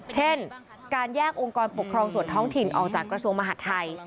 เช่นการแยกองค์กรปกครองส่วนท้องถิ่นออกจากกระทรวงมหาดไทย